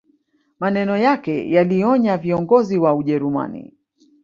Maneno yake yalionya viongozi wa ujerumani